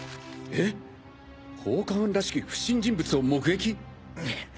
えぇっ⁉放火犯らしき不審人物を目撃？